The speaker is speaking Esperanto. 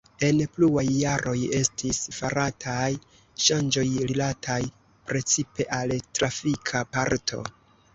En pluaj jaroj estis farataj ŝanĝoj rilataj precipe al trafika parto.